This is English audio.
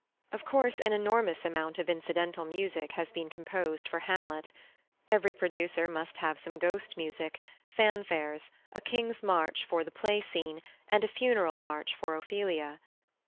Of course, an enormous amount of incidental music has been composed for Hamlet. Every producer must have some Ghost music, fanfares, a King's march for the Play scene, and a funeral march for Ophelia.